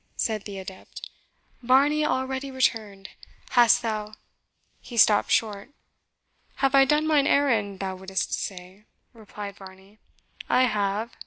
said the adept "Varney already returned! Hast thou " he stopped short. "Have I done mine errand, thou wouldst say?" replied Varney. "I have!